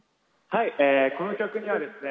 はいこの曲にはですね